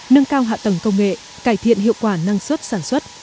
nâng cao hạ tầng công nghệ cải thiện hiệu quả năng suất sản xuất